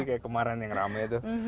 kayak kemarin yang ramah